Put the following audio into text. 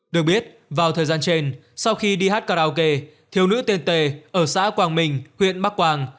được biết vào thời gian trên sau khi đi hát karaoke thiếu nữ tên t ở xã quang minh huyện bắc quang